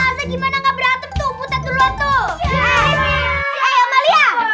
eh eh amalia